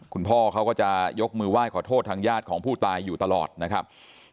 คุณพ่อเขาก็จะยกมือไหว้ขอโทษทางญาติของผู้ตายอยู่ตลอดนะครับ